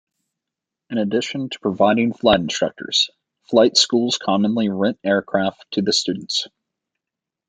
In addition to providing flight instructors, flight schools commonly rent aircraft to the students.